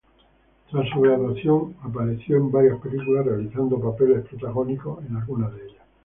Tras su graduación apareció en varias películas, realizando papeles protagónicos en algunas de ellas.